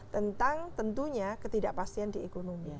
tentang tentunya ketidakpastian di ekonomi